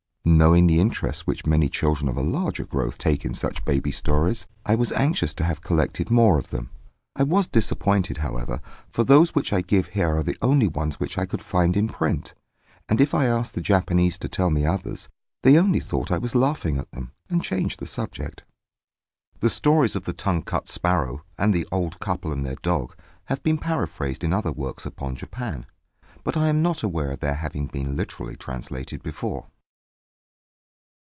Knowing the interest which many children of a larger growth take in such Baby Stories, I was anxious to have collected more of them. I was disappointed, however, for those which I give here are the only ones which I could find in print; and if I asked the Japanese to tell me others, they only thought I was laughing at them, and changed the subject. The stories of the Tongue cut Sparrow, and the Old Couple and their Dog, have been paraphrased in other works upon Japan; but I am not aware of their having been literally translated before.